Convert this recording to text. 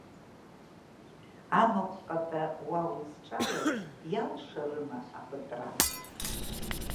Амахә ҟата уа узҿалаз, иалшарыма апытра?